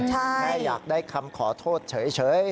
แม่อยากได้คำขอโทษเฉย